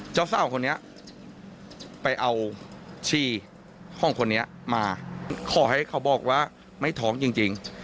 เจ้าสาวของเนี้ยไปเอาชีห้องคนเนี้ยมาขอให้เขาบอกว่าไม้ท้องจริงจริง